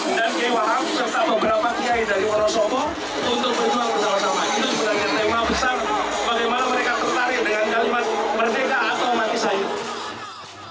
ini tema besar bagaimana mereka tertarik dengan kalimat berdekat atau mati sayu